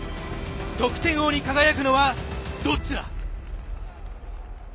得点王に輝くのはどっちだ。